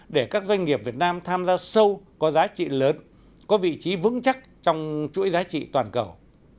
để các doanh nghiệp việt nam tham gia sâu có giá trị lớn có vị trí vững chắc trong chuỗi giá trị toàn cầu